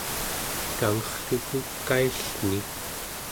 tangerrluku kaillni